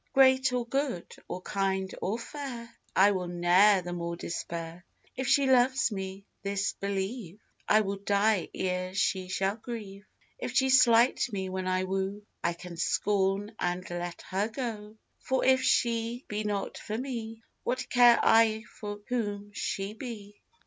Great or good, or kind or fair, I will ne'er the more despair; If she love me, this believe, I will die ere she shall grieve; If she slight me when I woo, I can scorn and let her go; For if she be not for me, What care I for whom she be?